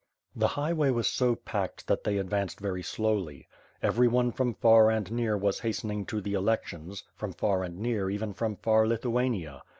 The highway was so packed that they advanced very slowly. P>eryone from far and near was hastening to the elections, from far and near even from far Lithuania.